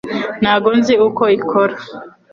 Ntabwo nzi uko ikora